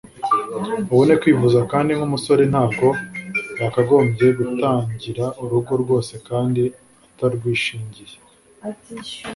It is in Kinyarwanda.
ubone kwivuza kandi nk’umusore ntabwo yakagombye gutangira urugo rwose kandi atarwishingiye